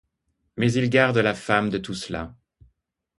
Mais il garde la femme de tout cela.